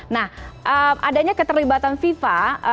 nah adanya keterlibatan fifa